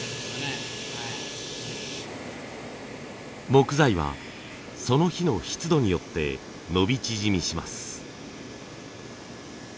木材はその日の湿度によって伸び縮みします。